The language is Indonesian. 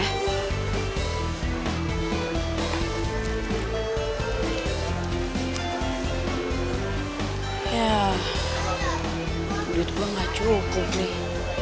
ya kulit gue gak cukup nih